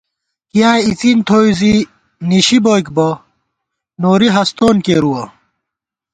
کیاں اِڅِن تھوئی زِی نِشِی بوئیک بہ نوری ہستون کیرُوَہ